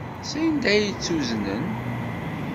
Sanda ay tt-uznen?